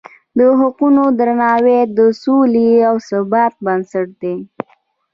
د حقونو درناوی د سولې او ثبات بنسټ دی.